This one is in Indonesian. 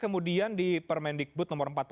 kemudian di permendikbud nomor empat puluh empat